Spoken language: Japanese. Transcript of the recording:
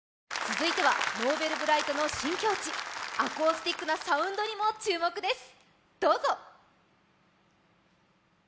続いてはＮｏｖｅｌｂｒｉｇｈｔの新境地アコースティックなサウンドにも注目です